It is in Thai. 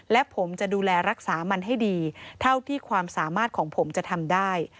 และผมจะดูแลรักษามันให้ดีเท่าที่ความสามารถของผมจะทำได้